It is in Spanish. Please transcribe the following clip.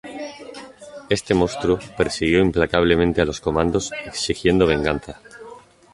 Este monstruo persiguió implacablemente a los comandos exigiendo venganza.